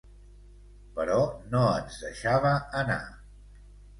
Però no ens deixava anar.